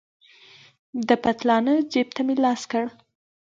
د پتلانه جيب ته مې لاس کړ.